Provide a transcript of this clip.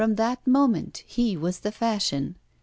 From that moment he was the fashion.